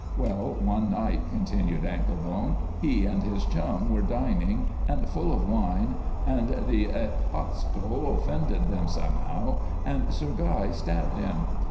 Well, one night," continued Anklebone, "he and his chums were dining, and full of wine, and the 'A—Postal' offended them somehow, and Sir Guy stabbed him.